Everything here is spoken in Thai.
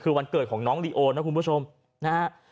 คือวันเกิดของน้องลีโอนะคุณผู้ชมนะฮะ